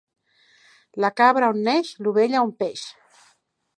La cabra on neix, l'ovella on peix.